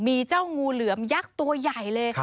มีเจ้างูเหลือมยักษ์ตัวใหญ่เลย